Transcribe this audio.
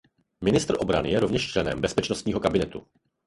Ministr obrany je rovněž členem bezpečnostního kabinetu.